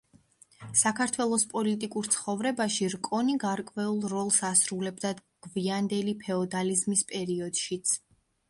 საქართველოს პოლიტიკურ ცხოვრებაში რკონი გარკვეულ როლს ასრულებდა გვიანდელი ფეოდალიზმის პერიოდშიც.